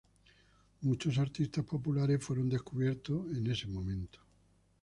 Muchos artistas populares fueron descubiertos en este momento.